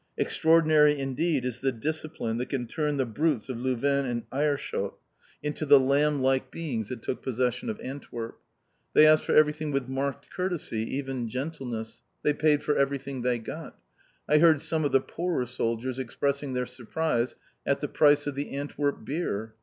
Extraordinary indeed is the discipline that can turn the brutes of Louvain and Aerschot into the lamb like beings that took possession of Antwerp. They asked for everything with marked courtesy, even gentleness. They paid for everything they got. I heard some of the poorer soldiers expressing their surprise at the price of the Antwerp beer.